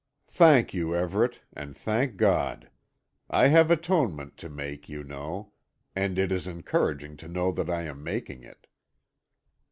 "Thank you, Everet and thank God! I have atonement to make, you know, and it is encouraging to know that I am making it."